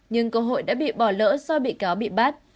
nhưng cơ hội đã bị bỏ lỡ do bị cáo bị bắt